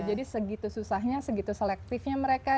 jadi segitu susahnya segitu selektifnya mereka